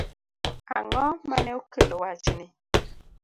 Ang'o mane okelo wachni?